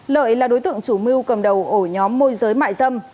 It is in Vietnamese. lợi là đối tượng chủ mưu cầm đầu ổ nhóm môi giới mại dâm